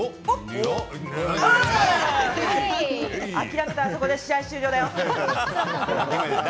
諦めたらそこで試合終了だよ。